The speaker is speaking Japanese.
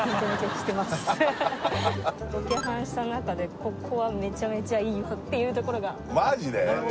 ロケハンした中でここはめちゃめちゃいいよっていう所がマジで！？